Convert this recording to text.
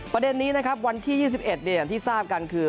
ประเด็นนี้นะครับวันที่๒๑อย่างที่ทราบกันคือ